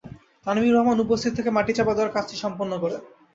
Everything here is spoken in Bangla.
তানভীর রহমান উপস্থিত থেকে মাটিচাপা দেওয়ার কাজটি সম্পন্ন করেন।